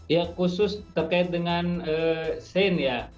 ya khusus terkait dengan sains ya